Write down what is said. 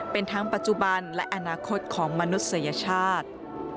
เป็นทั้งปัจจุบันและอนาคตของมนุษยชาติ